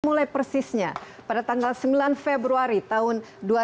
mulai persisnya pada tanggal sembilan februari tahun dua ribu dua